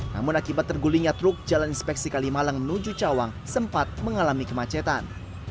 namun akibat tergulingnya truk jalan inspeksi kalimalang menuju cawang sempat mengalami kemacetan